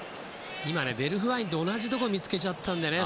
今、ベルフワインと同じところを見つけちゃったんだよね